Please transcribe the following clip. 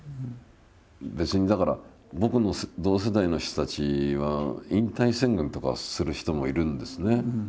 別にだから僕の同世代の人たちは引退宣言とかをする人もいるんですね。